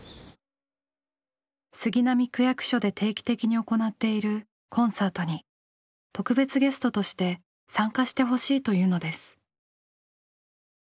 杉並区役所で定期的に行っているコンサートに特別ゲストとして参加してほしいというのです。